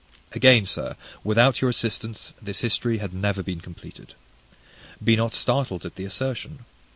Again, Sir, without your assistance this history had never been completed. Be not startled at the assertion.